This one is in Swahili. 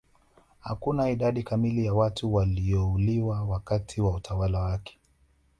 Hakuna idadi kamili ya watu waliouliwa wakati wa utawala wake